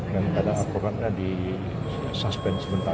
karena advokatnya di suspense sebentar